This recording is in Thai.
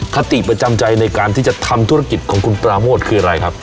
คติประจำใจในการที่จะทำธุรกิจของคุณปราโมทคืออะไรครับ